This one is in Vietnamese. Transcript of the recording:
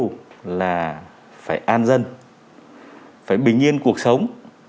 đặc biệt là phải an dân phải bình yên cuộc sống